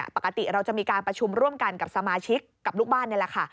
ปกติเราจะมีการประชุมร่วมกันกับสมาชิกกับลูกบ้านนี่แหละค่ะ